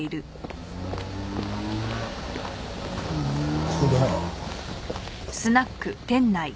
ここだな。